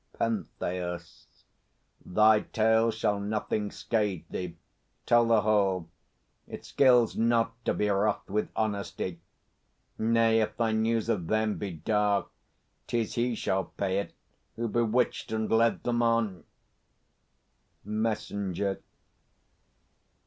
PENTHEUS. Thy tale shall nothing scathe thee. Tell the whole. It skills not to be wroth with honesty. Nay, if thy news of them be dark, 'tis he Shall pay it, who bewitched and led them on. MESSENGER.